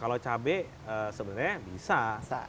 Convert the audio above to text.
kalau cabai sebenarnya bisa